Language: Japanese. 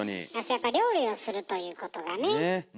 やっぱ料理をするということがね。